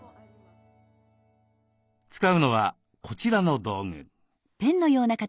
使うのはこちらの道具。